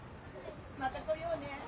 また来ようね！